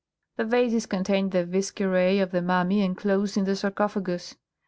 The vases contained the visceræ of the mummy enclosed in the sarcophagus.